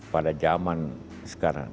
pada zaman sekarang